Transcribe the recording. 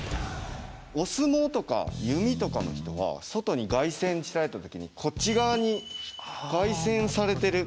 お相撲とか弓とかの人は外に外旋したいって時にこっち側に外旋されてる。